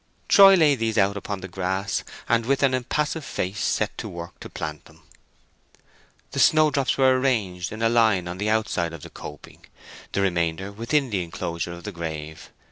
Troy laid these out upon the grass, and with an impassive face set to work to plant them. The snowdrops were arranged in a line on the outside of the coping, the remainder within the enclosure of the grave.